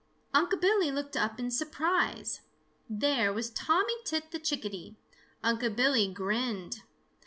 Unc' Billy looked up in surprise. There was Tommy Tit the Chickadee. Unc' Billy grinned.